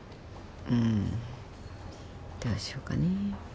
うんどうしようかね。